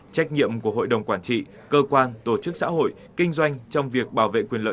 trách nhiệm của hội đồng quản trị cơ quan tổ chức xã hội kinh doanh trong việc bảo vệ quyền lợi